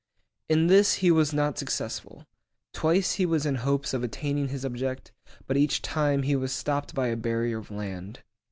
In this he was not successful. Twice he was in hopes of attaining his object, but each time he was stopped by a barrier of land.